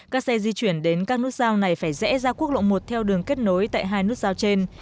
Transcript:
các xe di chuyển đến các nút giao này phải rẽ ra quốc lộ một theo đường kết nối tại hai nút giao trên